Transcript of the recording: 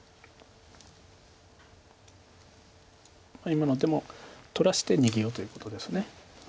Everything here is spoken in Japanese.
今の手も取らせて逃げようということです。